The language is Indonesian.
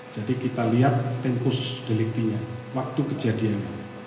jadi kita lihat tempus deliktinya waktu kejadiannya